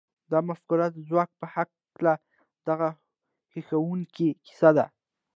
د مفکورې د ځواک په هکله دغه هیښوونکې کیسه ده